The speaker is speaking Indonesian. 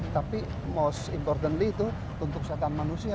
tapi most importantly itu untuk kesehatan manusia